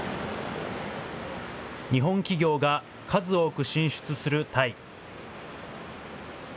日本企業が数多く進出するタイ。